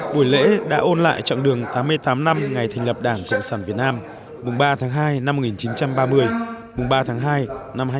buổi lễ đã ôn lại chặng đường tám mươi tám năm ngày thành lập đảng cộng sản việt nam mùng ba tháng hai năm một nghìn chín trăm ba mươi mùng ba tháng hai năm hai nghìn hai mươi